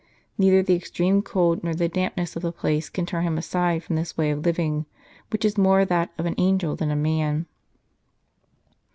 Neither the extreme cold nor the dampness of the place can turn him aside from this way of living, which is more that of an angel than a man.